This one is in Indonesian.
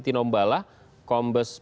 tino mbala kombes